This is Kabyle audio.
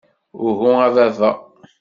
Uhu a baba!